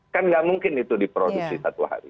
kan nggak mungkin itu diproduksi satu hari